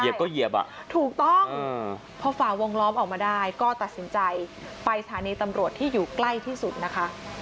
เหยียบอ่ะถูกต้องพอฝ่าวงล้อมออกมาได้ก็ตัดสินใจไปสถานีตำรวจที่อยู่ใกล้ที่สุดนะคะ